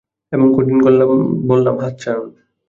এবং কঠিন গলায় বললাম, হাত ছাড়ুন।